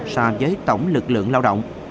so với tổng lực lượng lao động